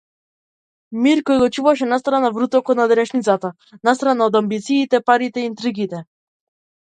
Мир кој го чуваше настрана од врутокот на денешницата, настрана од амбициите, парите, интригите.